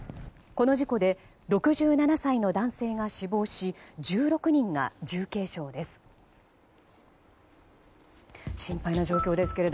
この事故で６７歳の男性が死亡し１６人が重軽傷です。